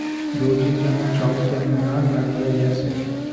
রোজই যেন চড়কের মেলা লাগিয়াই আছে।